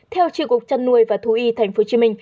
theo tri cục chăn nuôi và thú y tp hcm